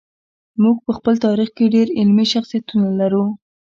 موږ په خپل تاریخ کې ډېر علمي شخصیتونه لرو.